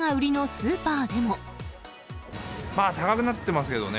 まあ、高くなってますけどね。